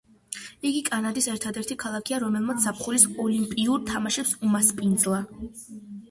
იგი კანადის ერთადერთი ქალაქია, რომელმაც ზაფხულის ოლიმპიურ თამაშებს უმასპინძლა.